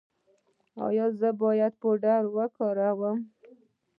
ایا زه باید پوډر وکاروم؟